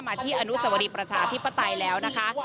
ที่อนุสวรีประชาธิปไตยแล้วนะคะ